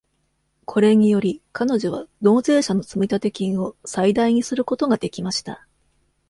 これにより、彼女は納税者の積立金を最大にすることができました。